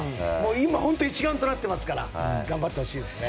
今、本当に一丸となっていますから頑張ってほしいですね。